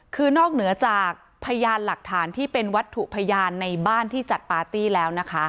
คือนอกเหนือจากพยานหลักฐานที่เป็นวัตถุพยานในบ้านที่จัดปาร์ตี้แล้วนะคะ